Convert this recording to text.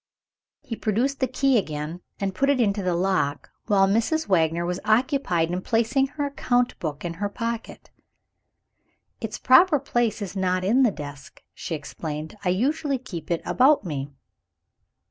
He produced the key again, and put it into the lock while Mrs. Wagner was occupied in placing her account book in her pocket. "Its proper place is not in the desk," she explained; "I usually keep it about me."